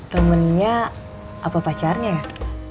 temennya apa pacarnya ya